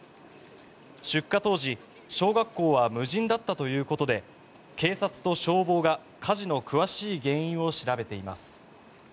出火当時、小学校は無人だったということで警察と消防が火事の詳しい原因を調べています。